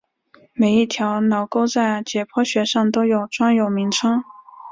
每一条脑沟在解剖学上都有专有名称。